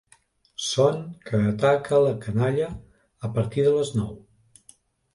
Son que ataca la canalla a partir de les nou.